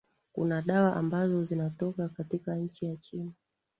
kuna dawa ambazo zinatoka katika nchi ya china